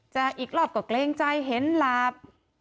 จะอีกรอบกว่าเกรงใจเห็นหลับ